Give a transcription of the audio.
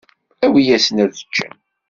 Awi-yasen ad ččen.